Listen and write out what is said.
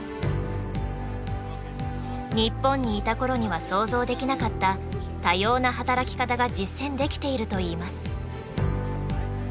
日本にいた頃には想像できなかった多様な働き方が実践できているといいます。